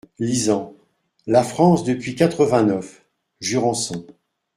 Lisant. "La France depuis quatre-vingt-neuf…" Jurançon.